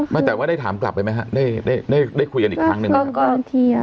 ถ้าแบบว่าได้ถามกลับไปไหมครับได้คุยอันอีกครั้งหนึ่งมั้ยครับ